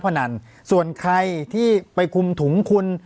ปากกับภาคภูมิ